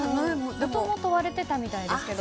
もともと割れてたみたいですけど。